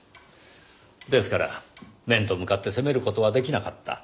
ですから面と向かって責める事は出来なかった。